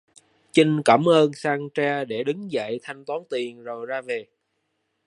Chinh cảm ơn xong trai để đứng dậy thanh toán tiền rồi ra về